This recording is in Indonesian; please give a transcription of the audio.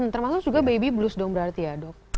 termasuk juga baby blues dong berarti ya dok